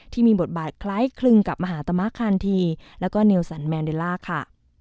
ที่มีบทบาทคล้ายคลึงกับมหาตมะคานทีแล้วก็เนลสันแมนเดลล่าค่ะ